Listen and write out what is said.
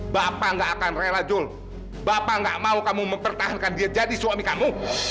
bapak gak akan rela jul bapak gak mau kamu mempertahankan dia jadi suami kamu